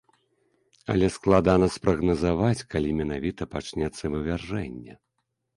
Але складана спрагназаваць, калі менавіта пачнецца вывяржэнне.